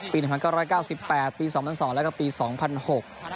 หนึ่งพันเก้าร้อยเก้าสิบแปดปีสองพันสองแล้วก็ปีสองพันหก